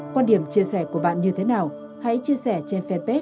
quan điểm chia sẻ của bạn như thế nào hãy chia sẻ trên fanpage của truyền hình công an nhân dân